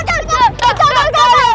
jangan jangan jangan